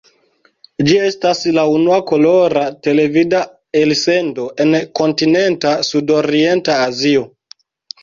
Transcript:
Ĝi estas la unua kolora televida elsendo en Kontinenta Sudorienta Azio.